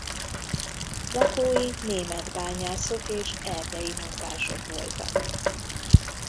Lakói német bányászok és erdei munkások voltak.